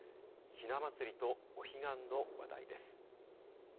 ひな祭りとお彼岸の話題です。